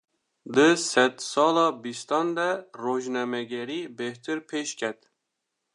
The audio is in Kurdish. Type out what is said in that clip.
Di sedsala bîstan de, rojnamegerî bêhtir pêşket